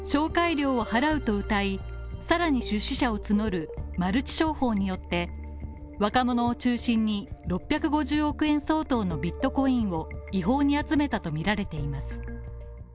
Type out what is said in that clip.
紹介料を払うとうたい、さらに出資者を募るマルチ商法によって若者を中心に６５０億円相当のビットコインを違法に集めたとみられています。